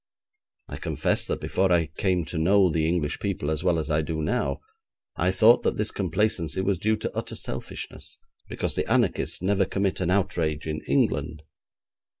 I confess that before I came to know the English people as well as I do now, I thought that this complacency was due to utter selfishness, because the anarchists never commit an outrage in England.